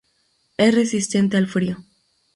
Es resistente al frío.